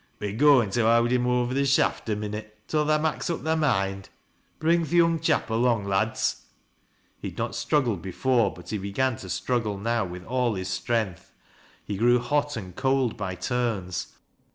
" "We're goin' to howd him over th' shaft a minnit till tha mak's up thy mind. Bring th' young chap along, lads." He had not struggled before, but he began to struggle now with all liis strength. He grew hot and cold by turns.